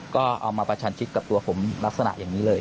ก็เอามาประชันชิดกับตัวผมลักษณะอย่างนี้เลย